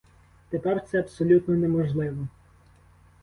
Тепер це абсолютно неможливо.